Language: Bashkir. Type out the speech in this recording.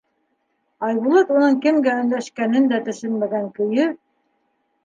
Айбулат уның кемгә өндәшкәнен дә төшөнмәгән көйө: